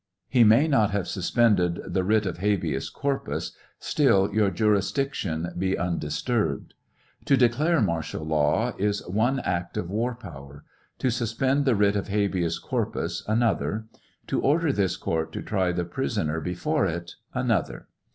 He may not have suspended the writ o{ habeas corpus, still your jurisdiction be un disturbed. To declare martial law is one act of war power; to suspend the writ of habeas corpus another ; to order this court to try the prisoner before it, another.